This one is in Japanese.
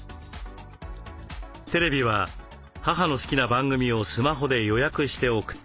テレビは母の好きな番組をスマホで予約しておくと。